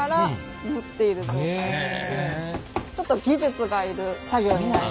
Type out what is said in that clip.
ちょっと技術がいる作業になります。